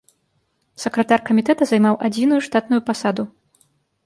Сакратар камітэта займаў адзіную штатную пасаду.